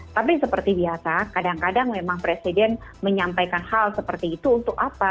tapi seperti biasa kadang kadang memang presiden menyampaikan hal seperti itu untuk apa